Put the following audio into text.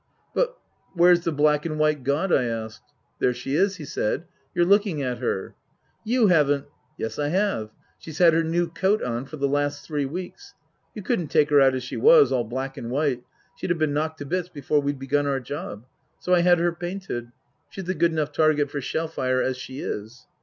" But where's the black and white god ?" I asked. " There she is," he said, " you're looking at her." " You haven't "" Yes, I have. She's had her new coat on for the last three weeks. You couldn't take her out as she was, all black and white. She'd have been knocked to bits before we'd begun our job. So I had her painted. She's a good enough target for shell fire as she is."